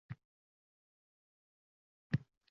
Bu — uzluksiz jarayon.